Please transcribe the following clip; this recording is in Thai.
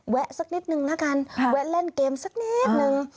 สักนิดนึงละกันแวะเล่นเกมสักนิดนึง